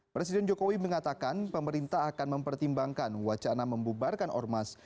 presiden jokowi mengatakan pemerintah akan mempertimbangkan wacana membubarkan ormas